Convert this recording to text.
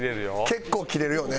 結構キレるよね。